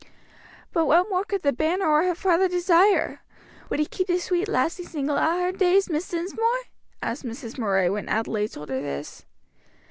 "But what more could the bairn or her father desire? would he keep the sweet lassie single a' her days, Miss Dinsmore?" asked Mrs. Murray when Adelaide told her this.